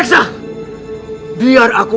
aku tidak akan mengajarmu